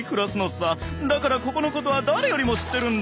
だからここのことは誰よりも知ってるんだ。